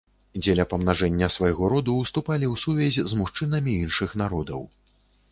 Дзеля памнажэння свайго роду ўступалі ў сувязь з мужчынамі іншых народаў.